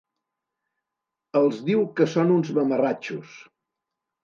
Els diu que són uns mamarratxos.